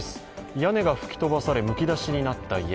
屋根が吹き飛ばされ、むき出しになった家。